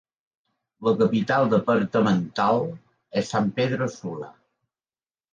La capital departamental és San Pedro Sula.